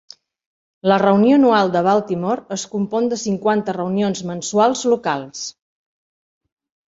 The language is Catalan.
La reunió anual de Baltimore es compon de cinquanta reunions mensuals locals.